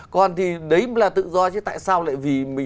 còn thì đấy là tự do chứ tại sao lại vì